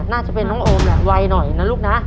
น่าจะเป็นน้องโอมแหละวัยหน่อยนะลูกนะ